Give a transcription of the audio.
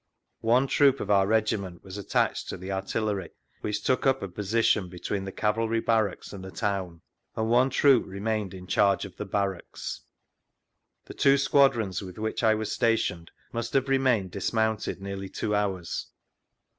One troop of our Regiment was attached to the artillery, which took up a position between the Cavalry Barracks and the town; and one troop remained in charge of the Barracks. The two squadr<His with which I was stationed must have remained dismounted nearly two hours.